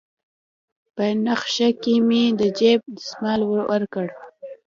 په نخښه كښې مې د جيب دسمال وركړ.